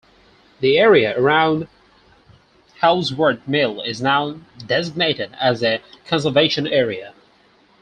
The area around Houldsworth mill is now designated as a conservation area.